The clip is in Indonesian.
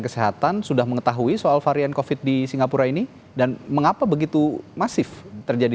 kesehatan sudah mengetahui soal varian covid di singapura ini dan mengapa begitu masif terjadi